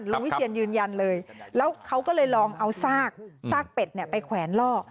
วิเชียนยืนยันเลยแล้วเขาก็เลยลองเอาซากเป็ดไปแขวนล่อ